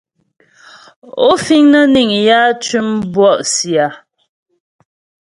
Ó fíŋ nə́ níŋ yǎ tʉ́m bɔ̂'sì a ?